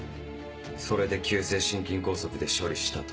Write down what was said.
それで急性心筋梗塞で処理したと。